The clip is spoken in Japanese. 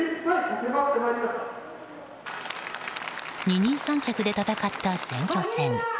二人三脚で戦った選挙戦。